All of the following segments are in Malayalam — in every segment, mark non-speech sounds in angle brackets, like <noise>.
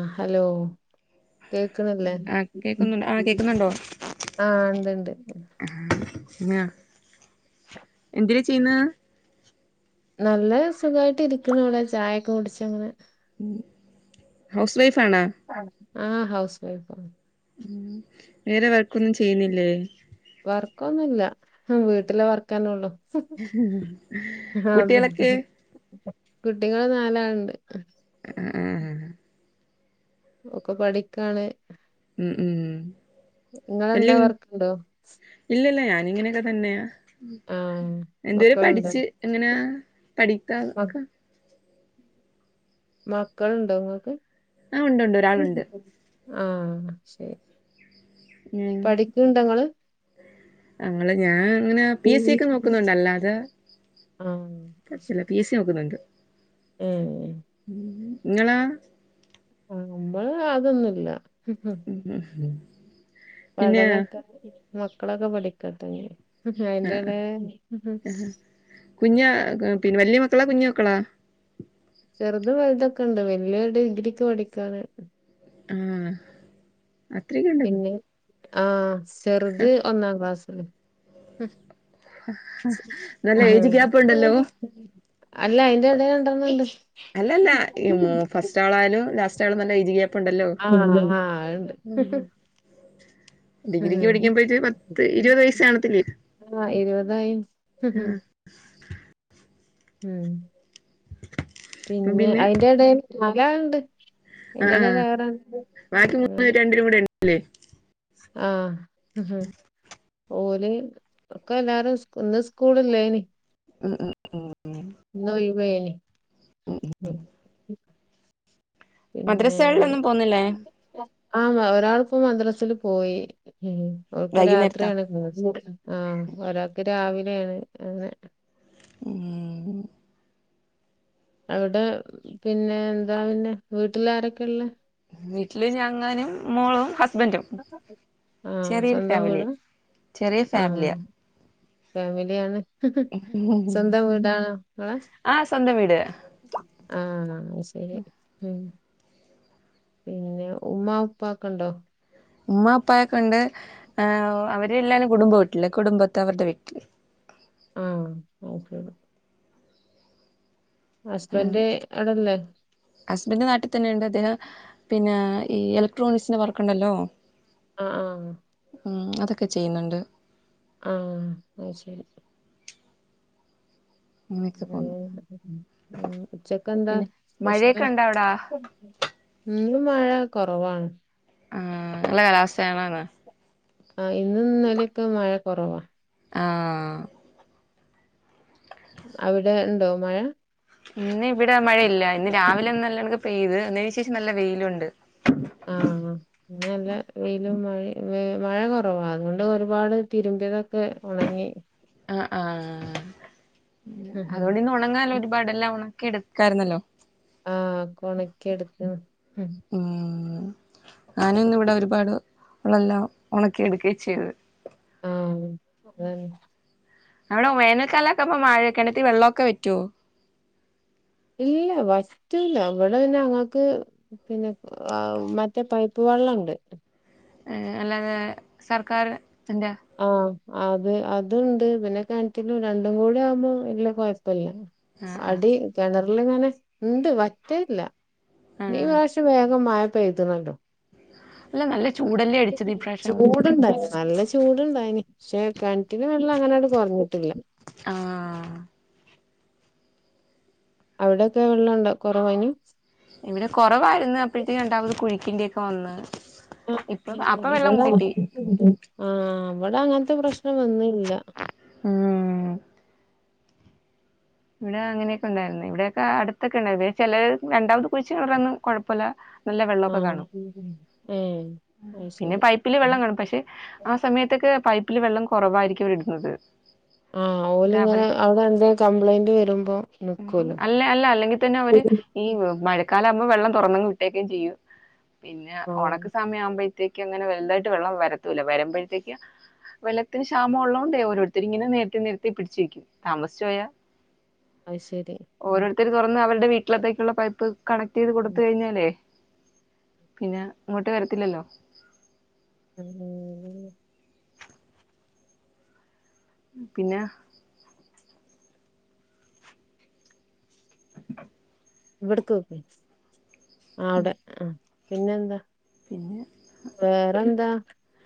ആഹ് ഹലോ കേക്ക്ണ്ല്ലേ? ആഹ് കേക്കുന്നുണ്ട് ആഹ് കേക്കുന്നുണ്ടോ ആഹ് ണ്ട് ണ്ട്. ങ്ങ എന്തിനി ചെയ്യുന്നെ. നല്ല സുഖായിട്ട് ഇരിക്കണ വടേ. ചായക്കെ കുടിച്ചങ്ങനെ ഉം ഹൗസ് വൈഫാ ണോ? ആഹ് ഹൗസ് വൈഫ. ഉം വേറെ വർക്കൊന്നും ചെയ്യുന്നില്ലേ വർക്കൊന്നുംല്ല. വീട്ടിലേ വർക്കന്നെ ഉള്ളു. കുട്ടികളൊക്കെ? കുട്ടികൾ നാലാളുണ്ട്. ഉം ഉം ഒക്കെ പഠിക്കാണ്. ഉം ഉം അല്ല നിങ്ങളെന്താ വർക്കുണ്ടോ ഇല്ലല്ല ഞാനിങ്ങനെയൊക്കെ തന്നെയാ ആ എന്ത് വരെ മക്കളുണ്ടോ പഠിച്ച് എങ്ങനാ മ- പഠിക്കാന്ക്കെ മക്കള്ണ്ടോങ്ങക്ക് ആഹ് ഉണ്ട് ഉണ്ട് ഒരാളുണ്ട് ആഹ ശേരി മ് അങ്ങള് ഞാന്ങ്ങനെ പി എസ് സി ഒക്കെ നോക്കുന്നുണ്ടല്ലാതെ ആ കോഴപ്പല്ല ശരി പി എ സി നോക്കുന്നുണ്ട് ഏ ങ്ങളാ അമ്മള് അതൊന്നുല്ല ഹ്ഹ് ഉ പടനൊക്കെ മക്കളൊക്കെ പഠിക്കട്ടേഞ്ഞ് അയിന്റെടെ കുഞ്ഞ പിന്നെ വല്ല്യ മക്കളാ കുഞ്ഞ മക്കളാ ചെർതും വൽതൊക്കെ ണ്ട് വല്ല്യേ ഡിഗ്രിക്ക് പഠിക്കാണ് ആ പിന്നെ ആ ചെർത് ഒന്നാം ക്ലാസിലും <inaudible> നല്ല ഏജ് ഗ്യാപ്പ് ഉണ്ടല്ലോ അല്ല അയ്ന്റെ എടെല് രണ്ടെണ്ണണ്ട് അല്ലല്ല മ് ഫസ്റ്റ് ആളായാലും ലാസ്റ്റ് ആളും നല്ല എയ്ജ് ഗ്യാ പ്പണ്ടല്ലോ ആഹ് ആഹ് ഉണ്ട് പത്ത് ഇരുപത് വയസ്സ് കാണത്തില്ലേ ആ ഇരുപതായി ആ ഉം പിന്നെ അയ്ന്റെ എടെല് നാലള് ണ്ട് <unintelligible> ആ ആ അങ്ങനെ ല്ലെ ആ ഓല് ഒക്കെല്ലാരും സ്കൂ ഇന്ന് സ്കൂള് ഇല്ലേനി മ് മ് ഇന്ന് ഒയ് വെനി പിന്നെ മദ്രസകളിലൊന്നും പോന്നില്ലേ ആ ഒരാള് ഇപ്പോ മദ്രസില് പോയി ഒക്ക് രാത്രി വൈകുന്നേരത്താ ആണ് ആഹ് ഒരാക്ക് രാവിലെണ് അങ്ങനെ ഉം അവ്ടെ പിന്നെ എന്താ പിന്നെ വീട്ടില് ആരൊക്കെ ഇള്ളേ വീട്ടില് ഞങ്ങാനും മോളും ഹസ്ബൻറും ആ ചെറിയൊരു സ്വന്തം ഫാമിലി വീടാ ചെറിയ ഫാമിലി ആ ഫാമിലിആണ് സ്വന്തം വീടണോ ങ്ങളെ ആ സ്വന്തം വീട് ആ അഹ്ശേരി ഉം പിന്നെ ഉമ്മ ഉപ്പ ഒക്കെണ്ടോ ഉമ്മ ഉപ്പായാക്കെ ണ്ട് അവരെല്ലാരും കുടുംബം വീട്ടില് കുടുംബത്ത് അവര്ടെ വീട്ടില് ഉം അഹ്ശേരി ഹസ്ബന്റ് അവ്ടല്ലേ ഹസ്ബൻ്റ് നാട്ടി തന്നെയുണ്ട് അതിന് പിന്നെ ഈ എലക്ട്രോണിക്സിൻ്റെ വർക്കുണ്ടല്ലോ അആ ആ അതൊക്കെ ചെയ്യുന്നുണ്ട് ആ അഹ് ശേരി അങ്ങനെക്കേ പോന്നു ഉ ഉച്ചക്കന്താ പിന്നെ സ്പെഷ്യല് മഴയൊക്കെ ഉണ്ടോ അവിടാ ഇന്ന് മഴ കോറവാണ് ആഹ നല്ല കാലാവസ്ഥയാണോന്നോ ആഹ് ഇന്നും ഇന്നലൊക്കെ മഴ കൊറവാ ആഹ് അവിടെ ഉണ്ടോ മഴ ഇന്ന് ഇവിടെ മഴയില്ല ഇന്ന് രാവിലെ നല്ലോണക്കെ പെയ്ത് അതിന് ശേഷം നല്ല വെയിലുണ്ട് ആഹ് ഇന്നല്ല വെയിലും മഴ മഴ കൊറവാ അതുകൊണ്ട് ഒരുപാട് തിരുമ്പിയതൊക്കെ ഒണങ്ങി ആഹ് ആഹ് ആഹ് അതോണ്ട് ഇന്ന് ഒണങ്ങാല്ലെ ഒരുപാടെല്ലാം ഒണക്കി എടുക്കാരുന്നല്ലോ ആഹ് <unintelligible> എടുക്കും ഉം ഊം ഞാനും ഇന്ന് ഇവിടെ ഒരുപാട് ഉള്ളെല്ലാം ഒണക്കി എടുക്കെ ചെയ്ത് ആഹ് ഉം അതന്നെ അവിടെ വേനൽക്കാലൊക്കാവുമ്പോ കെണറ്റിൽ വെള്ളവൊക്കെ വറ്റുവോ? ഇല്ല വറ്റൂല്ല ഇവിടെ പിന്നെ ഞങ്ങക്ക് പിന്നെ മറ്റേ പൈപ്പ് ഉപ്പ് വെള്ളണ്ട് ഏഹ് അല്ലാഞ്ഞാ സർക്കാര് <unintelligible> ആഹ് അത് അതുണ്ട് പിന്നെ കിണറ്റിലും രണ്ടും കൂടെ ആവുമ്പോ വല്ല്യ കൊഴപ്പല്ല ആഹ് ആഹ് അടി കെണറിലിങ്ങനെ ഇണ്ട് വറ്റലില്ല ഈ ആഹ് പ്രാശ്യം വേഗം മഴ പെയ്തുണുണ്ടോ അല്ല നല്ല ചൂടല്ലേ അടിച്ചത് ഇപ്രാവശ്യം ചൂടുണ്ടോ നല്ല ചൂടുണ്ടായിനിം പക്ഷെ കെണറ്റില് വെള്ളം അങ്ങനങ്ങട് കൊറഞ്ഞിട്ടില്ല ആഹ് അവിടൊക്കെ വെള്ളണ്ടോ കൊറവയ്നിം ഇവിടെ കൊറവായിരുന്നു അപ്പഴത്തേക്ക് രണ്ടാമത് കുഴിക്കേണ്ടിയൊക്കെ വന്ന് ആ, ഇപ്പൊ അപ്പ വെള്ളം ഇവിടെ കിട്ടി ആഹ് അവടെ അങ്ങനത്തെ പ്രശ്നം വന്നില്ല ഉം ഇവിടെ അങ്ങനെയൊക്കെ ഉണ്ടായിരുന്നു ഇവിടെയൊക്കെ അടുത്തൊക്കെ ഉണ്ടായിരുന്നു ചെലര് രണ്ടാമത് കുഴച്ചവർടൊന്നും കൊഴപ്പല്ല ആഹ് <unintelligible> ഏഹ് അത് പിന്നെ ശരി പൈപ്പില് വെള്ളം കാണും പക്ഷെ ആ സമയത്തൊക്കെ പൈപ്പ് പ്പില് വെള്ളം കൊറവായിരിക്കും ഇടുന്നത് ആഹ് ഓല് ഇത് ഇങ്ങനെ അവരുടെ അവിടെ എന്തേ കംപ്ലൈന്റ് വരുമ്പോ ഉം നിക്കൂലോ അല്ല അല്ല അല്ലെങ്കിൽ തന്നെ ഓര് ഈ മഴക്കാലം ആകുമ്പോ വെള്ളം തുറന്നങ്ങ് വിട്ടേക്കും ചെയ്യും പിന്നെ ആഹ് ഒണക്ക് സമയം ആവുമ്പയ് ത്തേക്ക് അങ്ങനെ വലതായിട്ട് വെള്ളം വരത്തൂല്ല വരുമ്പഴത്തേക്ക് വെള്ളത്തിന് ക്ഷാമ ഉള്ളതോണ്ടേ ഓരോരുത്തര് ഇങ്ങനെ നേരത്തെ നേരത്തെ പിടിച്ചു വെക്കും താമസിച്ച് പോയാ അഹ് ശെരി ഓരോരുത്തര് തൊറന്ന് അവരുടെ വീട്ടിലത്തേക്കുള്ള പൈപ്പ് കണക്ട് ചെയ്ത് കൊടുത്ത് കഴിഞ്ഞാലേ പിന്നെ ഇങ്ങോട്ട് വരത്തില്ലല്ലോ ഉം ഉം ഉം പിന്നാ <inaudible> ഇവിട്ത്തോക്ക് അവിടെ ആ പിന്നെ എന്താ? പിന്നെ വേറെന്താ?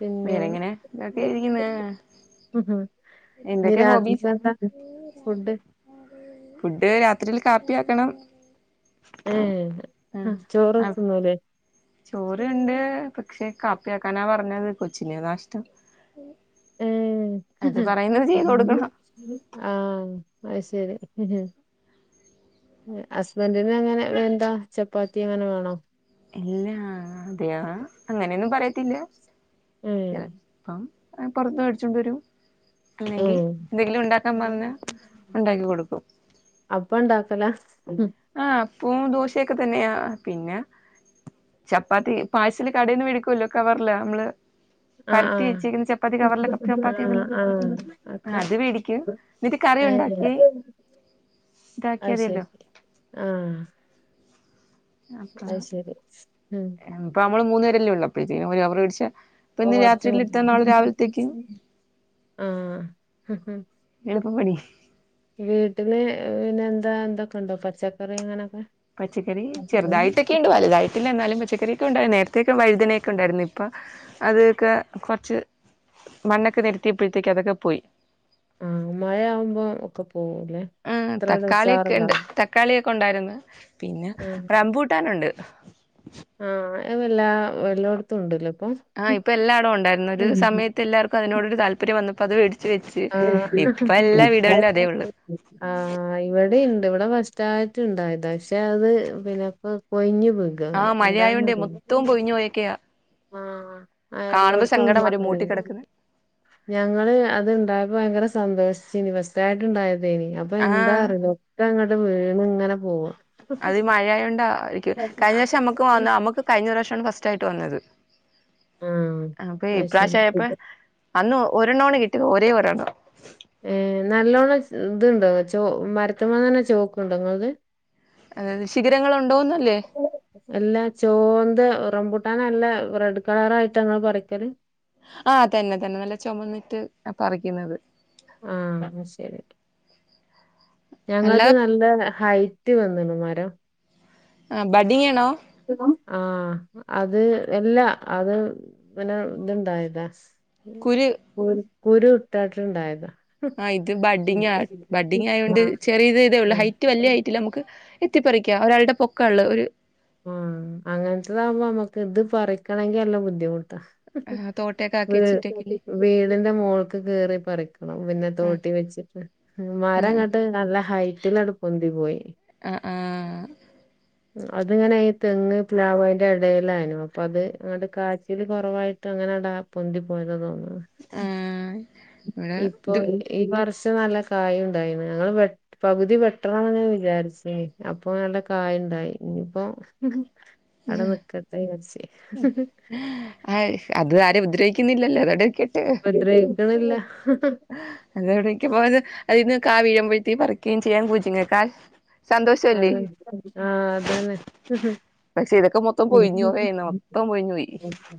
പിന്നെ വേറെങ്ങനെ ഇതൊക്കെ ഇരിക്കുന്ന ഇനി എന്തൊക്കെ ഹോബീസ് രാത്രിയില് എന്താ? ഫുഡ്? ഫുഡ് രാത്രിയില് കാപ്പിയാക്കണം ഏഹ് ചോറ് തിന്നൂല്ലേ? ചോറുണ്ട് പക്ഷെ കാപ്പിയാക്കാനാ പറഞ്ഞത് കൊച്ചിന് അതാഷ്ടം ഏഹ് കൊടുക്കണം ആഹ് അത് ശെരി ഹസ്ബൻറിന് അങ്ങനെ എന്താ ചപ്പാത്തി അങ്ങനെ വേണോ എല്ലാ അതെയ അങ്ങനെയൊന്നും പറയത്തില്ല ഉം ചിലപ്പം പുറത്ത് മേടിച്ചൊണ്ട് വരും അല്ലെങ്കിൽ ഏഹ് എന്തെങ്കിലും ഉണ്ടാക്കാൻ പറഞ്ഞാൽ ഉണ്ടാക്കി കൊടുക്കും അപ്പം ഉണ്ടാക്കല ആഹ അപ്പോം ദോശയൊക്കെ തന്നെയ പിന്നെ ചപ്പാത്തി പാർസൽ കടയിൽന്ന് മെഡിക്കോലോ കവറല നമ്മള് ആഹ് പരത്തി ആഹ് വെച്ചേക്കുന്ന ചപ്പാത്തി കവറില ചപ്പാത്തിയ ആഹ് ഉണ്ടല്ലോ ആഹ് ഒക്കെ അത് മേടിക്കും എന്നീട്ട് കറി ഉണ്ടാക്കി അഹ് ഇതാക്കിയാ ശരി മതിയല്ലോ ആഹ് അത് ശരി ഉം ഇപ്പൊ നമ്മള് മൂന്നു പേരല്ലേ ഒള്ളൂ അപ്പഴത്തേക്കും ഒരു കവര് മേടിച്ച ഇപ്പൊ ആഹ് ഇന്ന് കുറച്ച് രാത്രിയിൽ എടുത്താ നാളെ രാവിലത്തേക്ക് ആഹ് എളുപ്പപണി വീട്ടില് പിന്നെ എന്താ എന്തൊക്കുണ്ട് പച്ചക്കറി അങ്ങനെയൊക്കെ പച്ചക്കറി ചെറുതായിട്ടൊക്കെയുണ്ട് വലുതായിട്ട് എന്നാലും പച്ചക്കറൊക്കെ ഉണ്ടായിരുന്നു നേരത്തേക്കെ വഴുതനൊക്കെ ഉണ്ടായിരുന്നു ഇപ്പൊ അതൊക്കെ കുറച്ച് മണ്ണൊക്കെ നിരത്തിയപ്പോഴത്തേക്ക് അതൊക്കെ പോയി ആഹ് മഴ ആവുമ്പോ ഒക്കെ പോകല്ലേ ഉം തക്കാളിയോക്കെ ഉണ്ട് തക്കാളിയൊക്കെ ഉണ്ടായിരുന്നു പിന്നെ റംമ്പൂട്ടാനുണ്ട് ആഹ് വല്ലാ എല്ലായിടത്തും ഉണ്ടല്ലോ ഇപ്പൊ ആഹ് ഇപ്പോ എല്ലാട ഉണ്ടായിന്ന് ഒരു സമയത്ത് എല്ലർക്കും അതിനോട് താല്പര്യം വന്നപ്പോ അത് മേടി വെച്ച് ഇപ്പ എല്ലാ വീടുകളിലും അതേ ഉള്ളൂ ആഹ് ഇവിടെണ്ട് ഇവിടെ ഫസ്റ്റ്യിട്ടുണ്ടായത പക്ഷെ അത് പിന്നെ ഇപ്പോ കൊയിഞ്ഞ് പോയി ആഹ് മഴയായുണ്ടേ മൊത്തവും പൊയിഞ്ഞു പോയക്കെയാ ആഹ് എല്ലായിടത്തും സങ്കടം വരും മൂട്ടി കിടക്കുന്നെ <unintelligible> ഞങ്ങള് അത്ണ്ടായപ്പോ ഭയങ്കര സന്തോഷിച്ചനി ഫസ്റ്റ് യിട്ട് ഇണ്ടായത് അത അപ്പൊ എന്താ ആഹ് അറിയോ ഒക്കെ അങ്ങട്ട് വീണ് ഇങ്ങനെ പോകും അത് മഴയ ണ്ടായിരിക്കും കഴിഞ്ഞ പ്രാവശം മക്ക്മ്മക്ക് കഴിഞ്ഞ പ്രാവശ്യമാണ് ഫസ്റ്റ് ആയിട്ട് വന്നത് ആഹ് അപ്പൊ അത് ശരി ഇപ്രാവശ്യയപ്പ അന്ന് ഒരെണ്ണാണ് കിട്ടിത് ഒരേ ഒരെണ്ണോ ഏഹ് നല്ലോണം ഇത്ണ്ടോ ചോ മരത്തുമ്മ തന്നെ ചോക്ക് ഉണ്ടോ നിങ്ങളത് അതായത് ശിഗിരങ്ങൾ ഉണ്ടോന്നല്ലേ എല്ലാ ചോന്ത് റംപൂട്ടാന നല്ല റെഡ് കളറ ആയിട്ട് ങ്ങള് പറിക്കല് ആഹ തന്നെ തന്നെ നല്ല ചുമന്നിട്ട് പറിക്കുന്നത് ആഹ ശെരി അല്ല ഞങ്ങളത് നല്ല ഹൈ റ്റ് വന്നണ് മരം ആഹ് ബഡിയണോ ആഹ അത് എല്ല അത് പിന്നെ ഇതുണ്ടായതാ കുരു കുരു കുരു ഇട്ടണ്ട് ണ്ടായതാ ആഹ് ഇത് ബഡിങാ ബഡിങായോണ്ട് ആഹ് ചെറിയത് ഇതേ ഉള്ളു ആഹ് ഹൈറ്റ് വല്യ ഹൈറ്റില്ലാ നമ്മക്ക് എത്തിപ്പറിക്കാ ഒരാളുടെ പൊക്കാ ഇള്ള ഒരു ആഹ് അങ്ങൻത്തതാകുമ്പോ നമ്മക്ക് ഇത് പറിക്കണെങ്കി നല്ല ബുദ്ധിമുട്ടാ ആഹ് തോട്ടിയൊക്കെ ആക്കി വീ വെച്ചിറ്റ് വീടിന്റെ മോൾക്ക് കേറി പറിക്കണം പിന്നെ ആഹ് തോട്ടി വെച്ചിട്ട് ഉം ആഹ് മരെങ്ങെട്ട് നല്ല ഹൈറ്റിൽ അട് പൊന്തി പോയി ആഹ് ആഹ് അത് ഇങ്ങനെ ഈ തെങ്ങ് പ്ലാവ് അയിന്റെ എടേലാനു അപ്പ അത് അങ്ങട് കാച്ചല് കൊറവായി അങ്ങനാടാ പൊന്തി പോയതാന്ന് തോനുന്നു ആഹ് ഇവിടെ ഇപ്പൊ ഇത് ഈ ഈ വർഷം നല്ല കായു ഇണ്ടായിന് ഞങ്ങള് വെട്ട് പകുതി വെട്ടണന്നിങ്ങനെ ഇങ്ങനെ വിചാരിച്ചിനി അപ്പൊ നല്ല കായ്ണ്ടായി ഇനിയിപ്പോ ആടെ നിക്കട്ടെ വിചാരിച്ച് <unintelligible> അത് ആരെ ഉദ്രവിക്കുന്നില്ലല്ലോ അതവടെ നിക്ക ഉപദ്രവിക്കണില്ലാ അതവടിക്കുമ്പോ അത് അതീന്ന് കാ വീഴുമ്പഴ്ത്തെക്ക് പറിക്കെയും ചെയ്യാ പൂച്ചിങ്ങക്കായ് അതെ ആഹ് അതന്നെ പക്ഷെ ഇതൊക്കെ മൊത്തം പൊഴിഞ്ഞ് പോകേയാണ് മൊത്തം പൊഴിഞ്ഞ് പോയി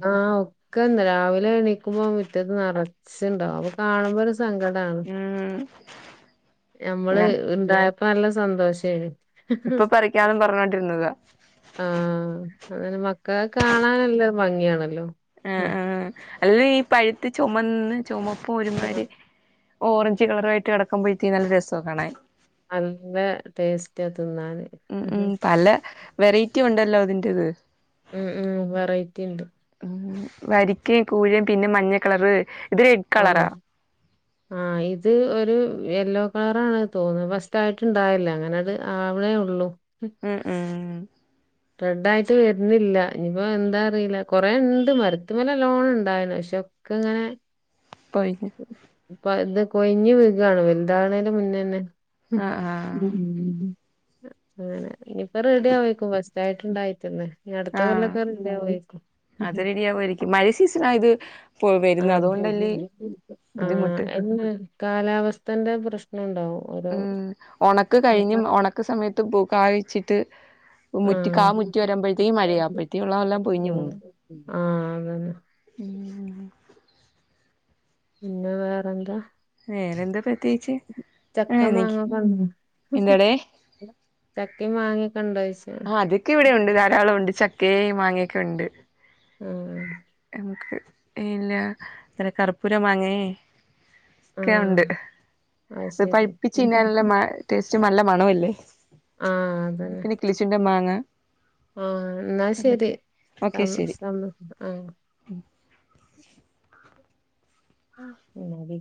ആഹ് ഒക്കെ രാവിലെ എണീക്കുമ്പോ മുറ്റത്ത് നറച്ച്ണ്ടാവും അപ്പം കാണുമ്പോ ഒര് സ് സങ്കടാണ് ഉം നമ്മള് പിന്നെ ഇണ്ടായപ്പോ നല്ല സന്തോഷേനു ഇപ്പം പറിക്കാന്ന് പറഞ്ഞോണ്ടിരുന്നതാ ആഹ് അങ്ങനെ മക്കളെ കാണാനെല്ലം ഭംഗിയാണല്ലോ ആഹ് ഉം ആഹ് അല്ലേലും ഈ പഴുത്ത് ചൊമന്ന് ചൊമപ്പ് ആ, ഒരുമാതിരി ഓറഞ്ച് കളറായിട്ട് കെടക്കുമ്പോഴത്തീന് നല്ല രസവാ കാണാൻ നല്ല ടേസ്റ്റാ തിന്നാന് ഉം ഉം പല വെറൈറ്റി ഒണ്ടല്ലോ അതിന്റെത് ഉം ഉം വെറൈറ്റിയിണ്ട് ഉം വരിക്കയും കൂഴയും പിന്നെ മഞ്ഞ കളറ് ഇത് കളറാ ആഹ് ആഹ് ഇത് ഒരു യെല്ലോ കളറാണ് തോനുന്നു ഫസ്റ്റായിട്ട് ഇണ്ടായല്ലേ അങ്ങനെത് അവണേ ഉള്ളൂ ഉം ഉം റെഡായിട്ട് വെരുന്നില്ലാ ഇനിയിപ്പോ എന്താ അറിയില്ലാ കൊറേ ഇണ്ട് മരത്ത്മ്മില് നല്ലോണം ഇണ്ടായിന് പക്ഷെ ക്കെങ്ങനെ പൊയിഞ്ഞ് ഇപ്പ ഇത് കൊയിഞ്ഞ് വീകാണ് വലുതാവണേന്റെ മുന്നേന്നെ ആഹ് ആഹ് ഉം അങ്ങനെ ഇനിപ്പ റെഡിയാവായിരിക്കും ഫസ് റ്റായിട്ട്ണ്ടായിറ്റല്ലേ ഇനി അടുത്ത ആഹ് കൊല്ലൊക്കെ റെഡിയാവായിരിക്കും അത് റെഡിയാവുമായിരിക്കും മഴ സീസൺ ആയത് <unintelligible> ആഹ് ബുദ്ധിമുട്ട് എന്ന് കാലാവസ്ഥന്റെ പ്രശ്നണ്ടാവും ആഹ് ഒണക്ക് കഴിഞ്ഞും ഒണക്ക് സമയത്തും പൂ കായിച്ചിട്ട് ആഹ് മുറ്റി കാ ആഹ് മുറ്റി വരുമ്പഴ് ഇടിയും മഴയാ അപ്പഴ്ത്തേക്കൊള്ളെയെല്ലാം പൊഴിഞ്ഞു പോവും ആഹ് അതന്നെ പിന്നെ വേറെന്താ വേറെന്താ പ്രത്യേകിച്ച് ചക്ക ആഹ് എനിക്ക് മാങ്ങക്കെ <unintelligible> എന്താടേ ചക്കയും മങ്ങേക്കെണ്ടോ ചോയിച്ചേ ക്കേ മാങ്ങിക്കെണ്ട് മ് ഇല്ല ഇത്തിരി കർപ്പൂരം വാങ്ങി ഒക്കെണ്ട് ആഹ് അത് പഴിപ്പിച്ച് കഴിഞ്ഞ നല്ല മ ടേസ്റ്റും നല്ല മണമല്ലേ ആഹ് പിന്നെ കിളിചുണ്ടൻ മാങ്ങ ആഹ എന്നാ ശരി അതൊക്കെ ഓക്കെ സം ശരി സം ആഹ <unintelligible> ആഹ